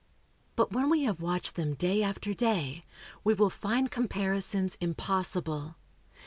But when we have watched them day after day, we will find comparisons impossible.